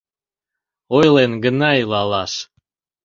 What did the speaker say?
Ойлен гына илалаш